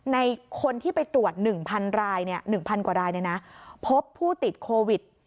ในคนที่ไปตรวจ๑๐๐๐รายนี่นะพบผู้ติดโควิด